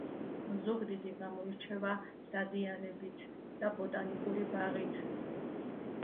ზუგდიდი გამოირჩევა დადიანებით და ბოტანიკური ბაღით